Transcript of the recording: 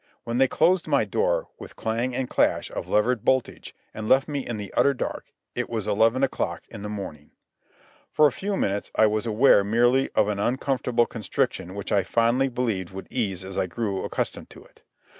When they closed my door, with clang and clash of levered boltage, and left me in the utter dark, it was eleven o'clock in the morning. For a few minutes I was aware merely of an uncomfortable constriction which I fondly believed would ease as I grew accustomed to it.